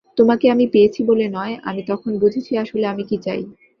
তোমাকে আমি পেয়েছি বলে নয়, আমি তখন বুঝেছি আসলে আমি কী চাই।